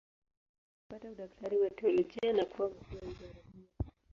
Pia alipata udaktari wa teolojia na kuwa mkuu wa idara hiyo.